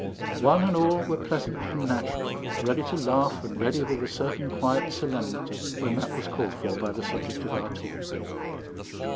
One and all were pleasant and natural, ready to laugh and ready with a certain quiet solemnity when that was called for by the subject of our talk.